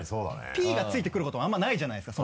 Ｐがついて来ることもあんまりないじゃないですか。